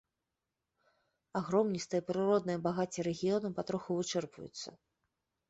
Агромністыя прыродныя багацці рэгіёна патроху вычэрпваюцца.